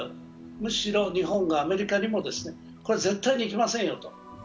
むしろ日本がアメリカにも、これは絶対いけませんよと。